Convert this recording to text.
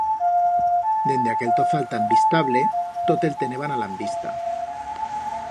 Dende aquel tozal tan vistable tot el teneban a la envista.